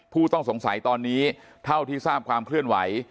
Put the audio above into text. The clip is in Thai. ผู้ต้องสงสัยตอนนี้เท่าที่ทราบความเคลื่อนไหว